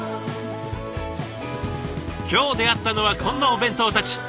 今日出会ったのはこんなお弁当たち。